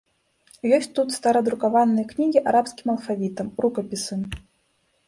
Ёсць тут старадрукаваныя кнігі арабскім алфавітам, рукапісы.